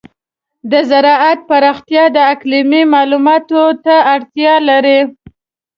د زراعت پراختیا د اقلیمي معلوماتو ته اړتیا لري.